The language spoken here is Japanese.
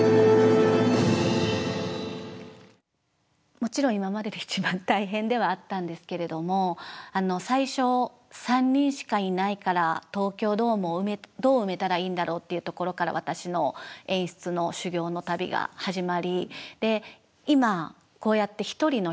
もちろん今までで一番大変ではあったんですけれども最初３人しかいないから東京ドームをどう埋めたらいいんだろうっていうところから私の演出の修業の旅が始まり